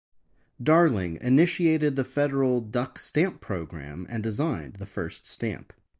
Darling initiated the Federal Duck Stamp program and designed the first stamp.